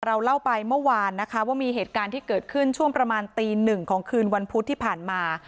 เราเล่าไปเมื่อวานนะคะว่ามีเหตุการณ์ที่เกิดขึ้นช่วงประมาณตีหนึ่งของคืนวันพุธที่ผ่านมา